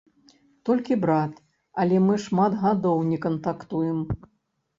Толькі брат, але мы шмат гадоў не кантактуем.